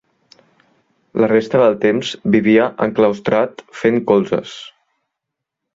La resta del temps vivia enclaustrat fent colzes.